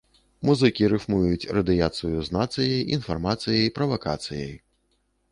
Музыкі рыфмуюць радыяцыю з нацыяй, інфармацыяй, правакацыяй.